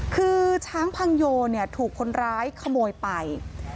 คือช้างพังโยเนี่ยถูกคนร้ายขโมยไป